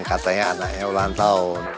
katanya anaknya ulang tahun